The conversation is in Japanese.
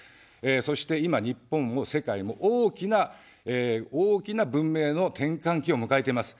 そして今、日本も世界も大きな、大きな文明の転換期を迎えています。